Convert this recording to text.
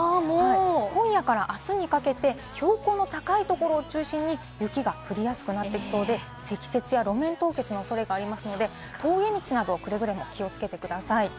今夜からあすにかけて標高の高いところを中心に雪が降りやすくなってきそうで、積雪や路面凍結のおそれがありますので、峠道など特に気をつけてください。